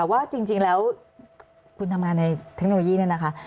ว่าจริงแล้วคุณทำงานในเทคโนโลยีนี่ค่ะ